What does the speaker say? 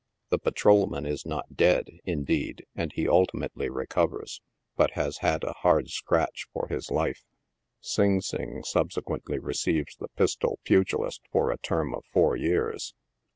The patrolman is not dead, indeed, and he ultimately recovers, but has had a " hard scratch" for his life. Sing Sing subsequently receives the pistol pugilist for a term of four years.